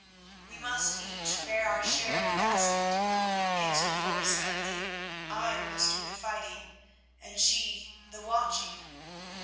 "We must each bear our share of the basket," answered Foy sadly; "I must do the fighting and she the watching."